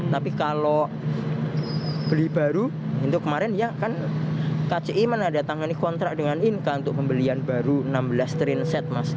tapi kalau beli baru itu kemarin ya kan kci mana ada tangani kontrak dengan inka untuk pembelian baru enam belas train set mas